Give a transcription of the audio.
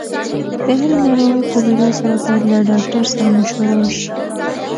د هرې ناروغۍ په لیدو سره باید له ډاکټر سره مشوره وشي.